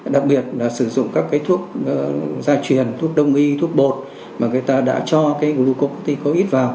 đặc biệt là sử dụng các thuốc gia truyền thuốc đông y thuốc bột mà người ta đã cho cái glucoticoid vào